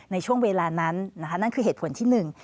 ในช่วงเวลานั้นนะคะนั่นคือเหตุผลที่หนึ่ง